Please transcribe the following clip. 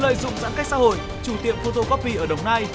lợi dụng giãn cách xã hội chủ tiệm photocopy ở đồng nai